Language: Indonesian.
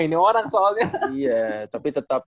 ini orang soalnya iya tapi tetap